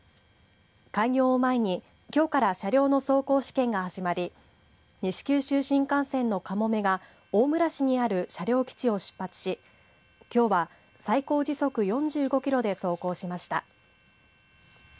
開業を前に、きょうから車両の走行試験が始まり西九州新幹線のかもめが大村市にある車両基地を出発しきょうは最高時速４５キロで走行しました。